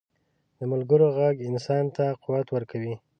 د ملګرو ږغ انسان ته قوت ورکوي.